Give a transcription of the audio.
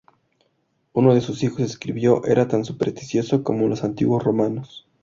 Uno de sus hijos escribió: "Era tan supersticioso como los antiguos romanos".